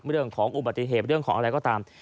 เรื่องของอุบัติเหตุเรื่องของอะไรก็ตาม